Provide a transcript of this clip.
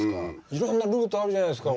いろんなルートあるじゃないですか。